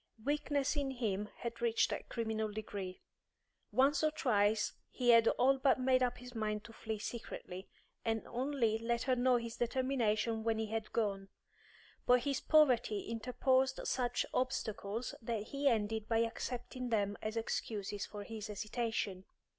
Weakness in him had reached a criminal degree. Once or twice he had all but made up his mind to flee secretly, and only let her know his determination when he had gone; but his poverty interposed such obstacles that he ended by accepting them as excuses for his hesitation.